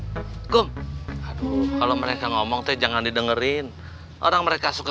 hai ha ha hai kum kalau mereka ngomong teh jangan didengerin orang mereka suka